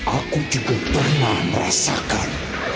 aku juga pernah merasakan